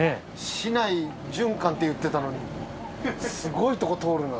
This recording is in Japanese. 市内循環って言ってたのにすごいとこ通るな。